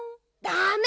ダメ！